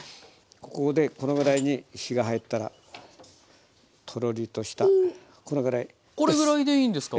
ここでこのぐらいに火が入ったらトロリとしたこのぐらいです。